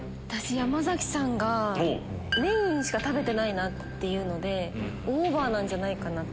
山さんがメインしか食べてないなっていうのでオーバーなんじゃないかなって。